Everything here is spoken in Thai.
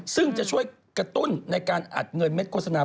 ซึ่งจะช่วยกระตุ้นในการอัดเงินเม็ดโฆษณา